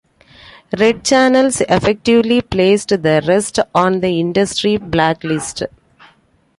"Red Channels" effectively placed the rest on the industry blacklist.